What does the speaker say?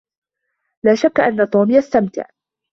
لا شك أن توم يستمتع.